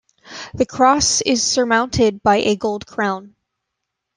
The cross is surmounted by a gold crown.